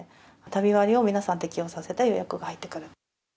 旅割を皆さん適用されて、予約が入ってくる。